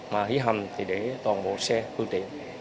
mà hi hầm thì để toàn bộ xe phương tiện